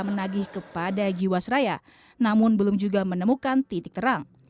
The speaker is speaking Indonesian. menagih kepada jiwasraya namun belum juga menemukan titik terang